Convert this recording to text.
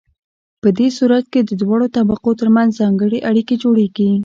په دې صورت کې د دواړو طبقو ترمنځ ځانګړې اړیکې جوړیږي.